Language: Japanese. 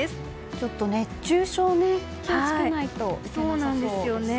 ちょっと熱中症に気を付けないといけなさそうですね。